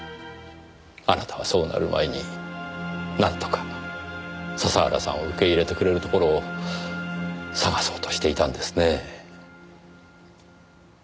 あなたはそうなる前になんとか笹原さんを受け入れてくれるところを探そうとしていたんですね。